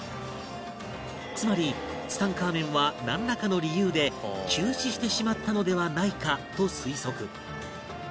つまりツタンカーメンはなんらかの理由で急死してしまったのではないかと推測